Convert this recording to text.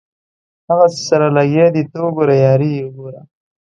هغسې سره لګیا دي ته وګوره یاري یې وګوره.